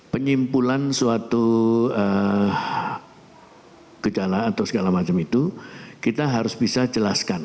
penyimpulan suatu gejala atau segala macam itu kita harus bisa jelaskan